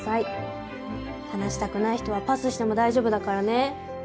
話したくない人はパスしても大丈夫だからね。